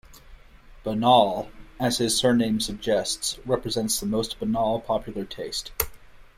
"Bannal", as his surname suggests, represents the most banal popular taste.